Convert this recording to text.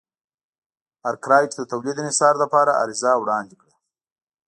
ارکرایټ د تولید انحصار لپاره عریضه وړاندې کړه.